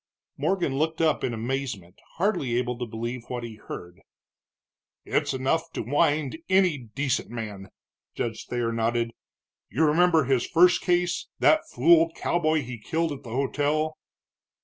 Morgan looked up in amazement, hardly able to believe what he heard. "It's enough to wind any decent man," Judge Thayer nodded. "You remember his first case that fool cowboy he killed at the hotel?"